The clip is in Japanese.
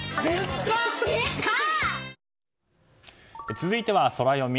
続いてはソラよみ。